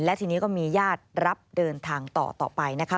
และทีนี้ก็มีญาติรับเดินทางต่อต่อไปนะคะ